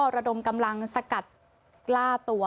ระดมกำลังสกัดกล้าตัว